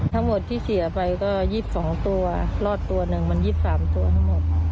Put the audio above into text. ทั้งหมดที่เสียไปก็๒๒ตัวรอดตัวหนึ่งมัน๒๓ตัวทั้งหมด